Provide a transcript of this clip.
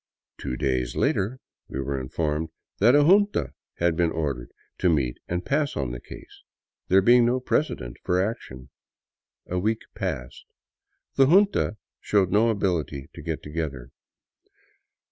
Two days later we were informed that a junta had been ordered to meet and pass on the case ; there being no precedent for action. A wecl; passed. The junta showed no ability to get together.